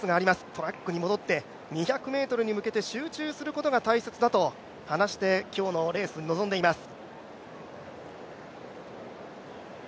トラックに戻って、２００ｍに向けて集中することが大切だと話して、今日のレースに臨んでいます。